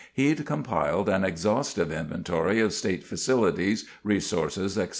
He'd compiled an exhaustive inventory of state facilities, resources, etc.